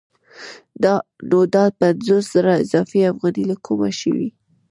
نو دا پنځوس زره اضافي افغانۍ له کومه شوې